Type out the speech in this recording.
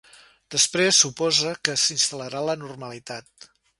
Després supose que s’instal·larà la normalitat.